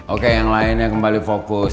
oke yang lainnya kembali fokus